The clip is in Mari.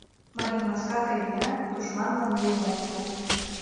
Марий маска гай виян, тушманлан вуйым ок пу.